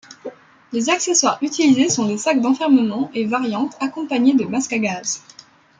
Les accessoires utilisés sont des sacs d'enfermement et variantes accompagnés de masques à gaz.